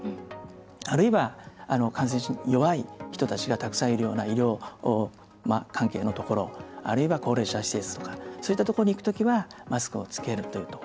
あるいは、感染に弱い人たちがたくさんいるような医療関係のところあるいは高齢者施設とかそういったところに行く時はマスクをつける。